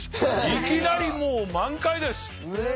いきなりもう満開です。